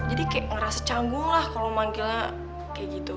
jadi kayak ngerasa canggung lah kalau manggilnya kayak gitu